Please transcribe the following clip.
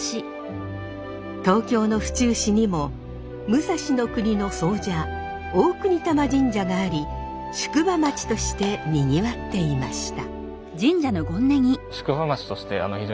東京の府中市にも武蔵国の総社大國魂神社があり宿場町としてにぎわっていました。